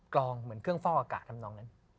ลองเหมือนเครื่องเฝ้าอากาศทำนองนั้น